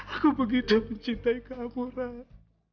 aku begitu mencintai kamu rad